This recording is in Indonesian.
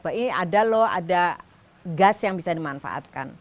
bahwa ini ada loh ada gas yang bisa dimanfaatkan